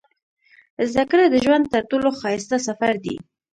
• زده کړه د ژوند تر ټولو ښایسته سفر دی.